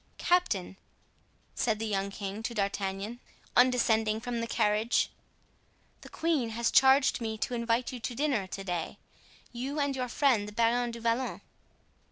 "Captain," said the young king to D'Artagnan, on descending from the carriage, "the queen has charged me to invite you to dinner to day—you and your friend the Baron du Vallon."